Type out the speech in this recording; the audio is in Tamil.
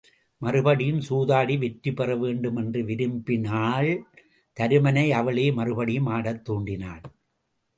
மறுபடியும் சூதாடி வெற்றி பெற வேண்டும் என்று விரும்பினாள் தருமனை அவளே மறுபடியும் ஆடத் தூண்டினாள்.